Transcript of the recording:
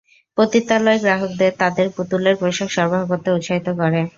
পতিতালয় গ্রাহকদের তাদের পুতুলের পোশাক সরবরাহ করতে উৎসাহিত করে।